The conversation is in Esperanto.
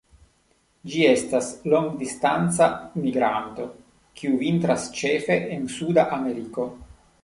Ĝi estas tre longdistanca migranto kiu vintras ĉefe en Suda Ameriko.